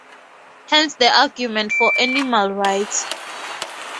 Hence the argument for animal rights.